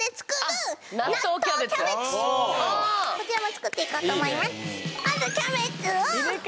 こちらも作っていこうと思いますいいね